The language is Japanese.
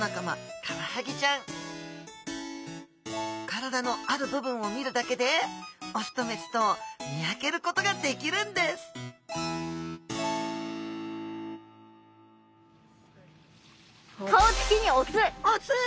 体のある部分を見るだけでオスとメスとを見分けることができるんですオス！